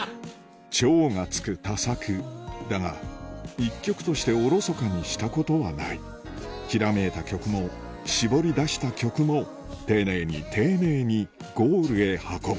「超」が付く多作だが一曲としておろそかにしたことはないひらめいた曲も絞り出した曲も丁寧に丁寧にゴールへ運ぶ